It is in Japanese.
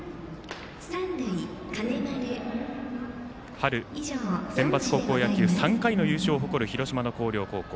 春センバツ高校野球３回の優勝を誇る広島の広陵高校。